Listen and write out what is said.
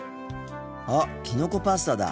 あっきのこパスタだ。